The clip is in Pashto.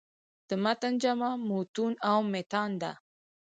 د متن جمع "مُتون" او "مِتان" ده.